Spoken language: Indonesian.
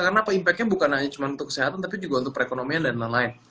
karena pe impactnya bukan hanya cuma untuk kesehatan tapi juga untuk perekonomian dan lain lain